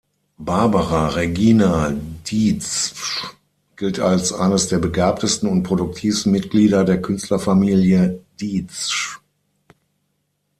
Barbara Regina Dietzsch gilt als eines der begabtesten und produktivsten Mitglieder der Künstlerfamilie Dietzsch.